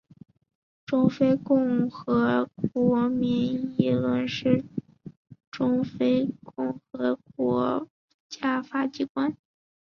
中非共和国国民议会是中非共和国的国家立法机关。